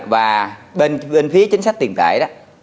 và bên phía chính sách tiền tài